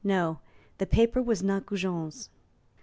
No, the paper was not Goujon's."